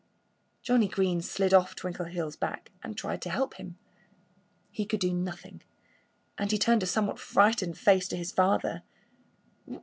Johnnie Green slid off Twinkleheels' back and tried to help him. He could do nothing. And he turned a somewhat frightened face to his father.